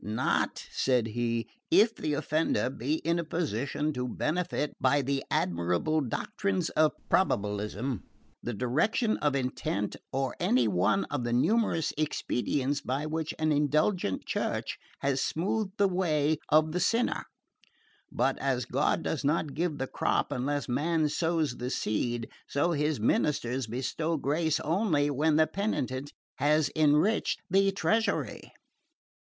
"Not," said he, "if the offender be in a position to benefit by the admirable doctrines of probabilism, the direction of intention, or any one of the numerous expedients by which an indulgent Church has smoothed the way of the sinner; but as God does not give the crop unless man sows the seed, so His ministers bestow grace only when the penitent has enriched the treasury.